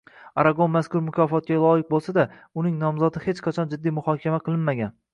Aragon mazkur mukofotga loyiq bo‘lsa-da, uning nomzodi hech qachon jiddiy muhokama qilinmagan